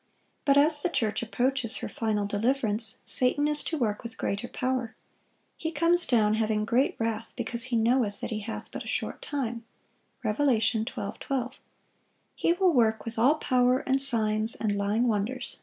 But as the church approaches her final deliverance, Satan is to work with greater power. He comes down "having great wrath, because he knoweth that he hath but a short time." Rev. 12:12. He will work "with all power and signs and lying wonders."